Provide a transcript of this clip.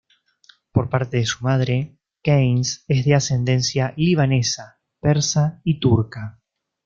Por parte de su madre, Keynes es de ascendencia libanesa, persa y turca.